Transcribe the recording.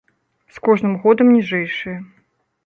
З кожным годам ніжэйшыя.